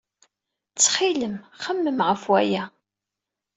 Ttxil-m, xemmem ɣef waya.